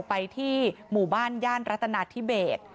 ไปที่หมู่บ้านย่านรัตนาธิเบส